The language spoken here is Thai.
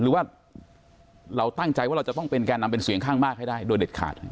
หรือว่าเราตั้งใจว่าเราจะต้องเป็นแก่นำเป็นเสียงข้างมากให้ได้โดยเด็ดขาด